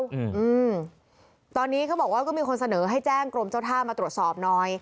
อืมอืมตอนนี้เขาบอกว่าก็มีคนเสนอให้แจ้งกรมเจ้าท่ามาตรวจสอบหน่อย